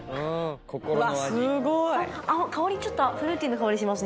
すごい香りちょっとフルーティーな香りしますね